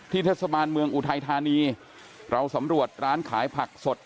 เทศบาลเมืองอุทัยธานีเราสำรวจร้านขายผักสด